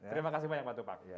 terima kasih banyak pak tupak